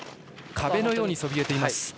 壁のようにそびえます。